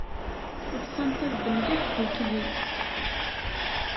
Ḍsant-as-d mliḥ ddukkli.